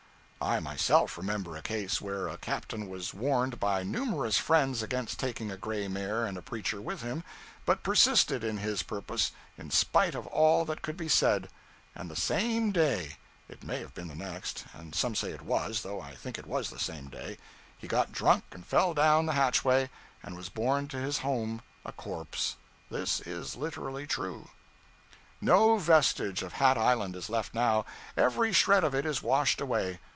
I myself remember a case where a captain was warned by numerous friends against taking a gray mare and a preacher with him, but persisted in his purpose in spite of all that could be said; and the same day it may have been the next, and some say it was, though I think it was the same day he got drunk and fell down the hatchway, and was borne to his home a corpse. This is literally true. No vestige of Hat Island is left now; every shred of it is washed away.